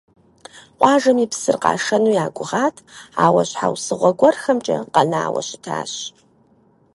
Къуажэми псыр къашэну ягугъат, ауэ щхьэусыгъуэ гуэрхэмкӀэ къэнауэ щытащ.